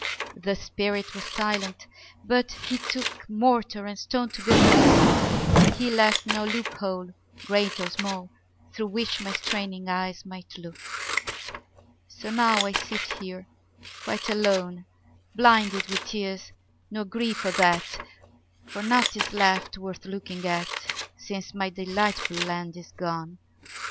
The spirit was silent; but he took Mortar and stone to build a wall; He left no loophole great or small Through which my straining eyes might look: 20 So now I sit here quite alone Blinded with tears; nor grieve for that, For nought is left worth looking at Since my delightful land is gone.